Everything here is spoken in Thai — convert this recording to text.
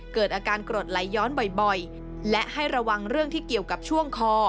เกิดอาการกรดไหลย้อนบ่อยและให้ระวังเรื่องที่เกี่ยวกับช่วงคอ